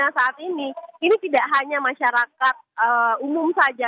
karena saat ini ini tidak hanya masyarakat umum saja